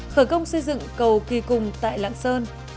khởi công xây dựng cầu kỳ cùng tại lãng xã